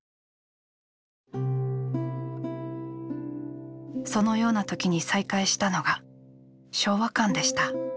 「そのような時に再会したのが昭和館でした」。